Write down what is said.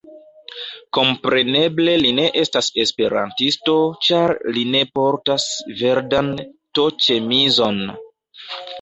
Kompreneble li ne estas esperantisto ĉar li ne portas verdan t-ĉemizon.